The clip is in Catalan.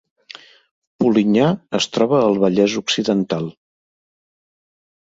Polinyà es troba al Vallès Occidental